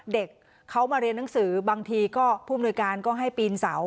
เด็กเขามาเรียนหนังสือบางทีก็ผู้อำนวยการก็ให้ปีนเสา